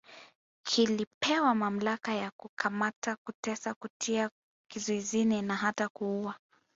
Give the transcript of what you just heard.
Kilipewa mamlaka ya kukamata kutesa kutia kizuizini na hata kuuwa